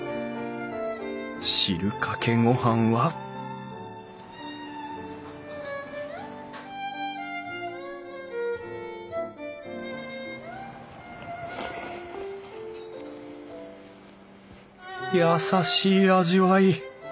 汁かけ御飯は優しい味わい。